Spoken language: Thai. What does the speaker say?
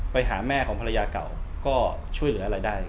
ไปหาแม่ของภรรยาเก่าก็ช่วยเหลืออะไรได้